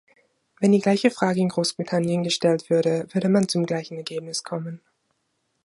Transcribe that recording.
Wenn die gleiche Frage in Großbritannien gestellt würde, würde man zum gleichen Ergebnis kommen.